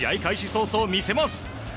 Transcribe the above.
早々、見せます。